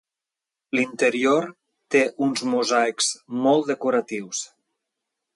L'interior té uns mosaics molt decoratius.